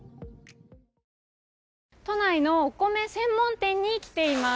都内のお米専門店に来ています。